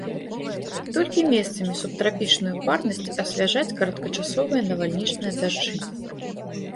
Толькі месцамі субтрапічную парнасць асвяжаць кароткачасовыя навальнічныя дажджы.